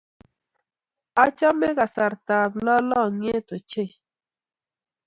Achame kasarta ab lalangiet ochei